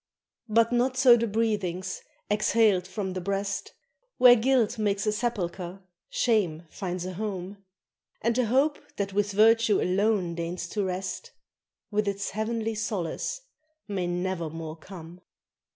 But not so the breathings exhaled from the breast Where guilt makes a sepulchre, shame finds a home; And the hope that with virtue alone deigns to rest, With its heavenly solace may never more come.